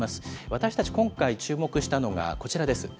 私たち今回注目したのがこちらです。